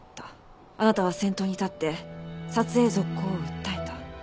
あなたは先頭に立って撮影続行を訴えた。